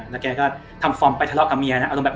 และแกก็ทำฟอร์มไปทะเลาะกับเมียอารมณ์บ้าง